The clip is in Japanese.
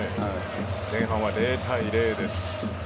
前半は０対０です。